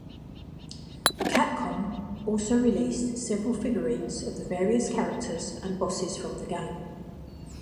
Capcom also released several figurines of the various characters and bosses from the game.